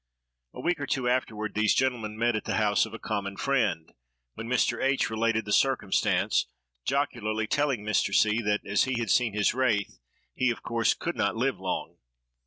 A week or two afterward, these gentlemen met at the house of a common friend, when Mr. H—— related the circumstance, jocularly telling Mr. C—— that, as he had seen his wraith, he of course could not live long.